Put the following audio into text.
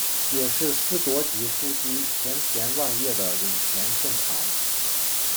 也是司铎级枢机前田万叶的领衔圣堂。